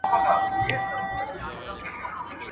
o مرگ هم ډيرو ته پرده ده.